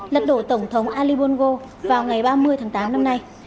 lật đổ tổng thống ali bongo vào ngày ba mươi tháng tám năm nay